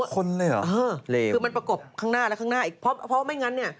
คนเลยเหรอคือมันประกบข้างหน้าและข้างหน้าอีกเพราะไม่งั้นเนี่ย